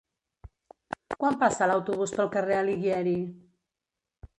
Quan passa l'autobús pel carrer Alighieri?